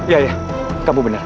ya ya kamu benar